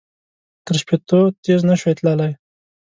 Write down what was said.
تر شپېتو تېز نه شول تللای.